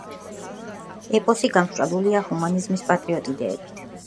ეპოსი გამსჭვალულია ჰუმანიზმის, პატრიოტიზმისა და სამართლიანობის იდეებით.